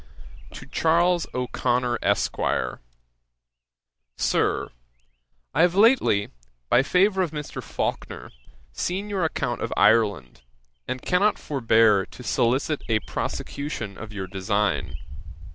1757.] 'To CHARLES O'CONNOR, ESQ. 'SIR, 'I have lately, by the favour of Mr. Faulkner, seen your account of Ireland, and cannot forbear to solicit a prosecution of your design.